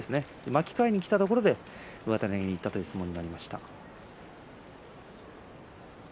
巻き替えにきたところで上手投げにいった相撲になりました。